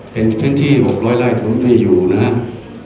เป็นพื้นที่๖๐๐ไร่ผมที่อยู่นะครับ